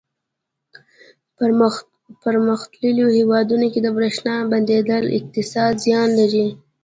په پرمختللو هېوادونو کې د برېښنا بندېدل اقتصادي زیان لري.